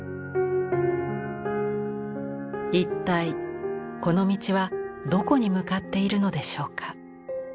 一体この道はどこに向かっているのでしょうか。